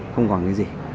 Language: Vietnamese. không còn cái gì